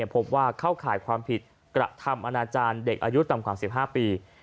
พบว่าเข้าข่ายความผิดกระทำอนาจารย์เด็กอายุต่ำกว่า๑๕ปี